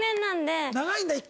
長いんだ？